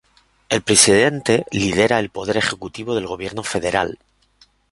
El presidente lidera el poder ejecutivo del Gobierno federal.